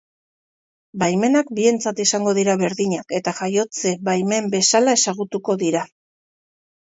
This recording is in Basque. Baimenak bientzat izango dira berdinak eta jaiotze baimen bezala ezagutuko dira.